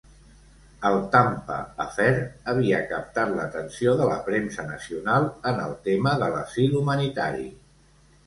El "Tampa Affair" havia captat l'atenció de la premsa nacional en el tema de l'asil humanitari.